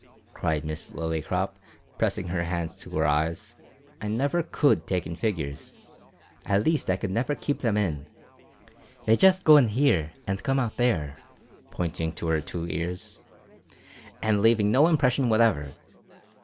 cried Miss Lillycrop, pressing her hands to her eyes; "I never could take in figures. At least I never could keep them in. They just go in here, and come out there (pointing to her two ears), and leave no impression whatever."